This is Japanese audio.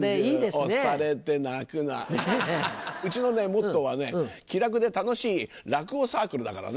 おされてなくなうちのモットーは気楽で楽しい落語サークルだからね。